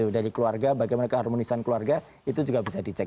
dari keluarga bagaimana keharmonisan keluarga itu juga bisa dicek